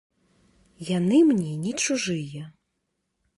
Яны мне не чужыя.